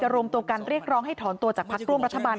รวมตัวกันเรียกร้องให้ถอนตัวจากพักร่วมรัฐบาล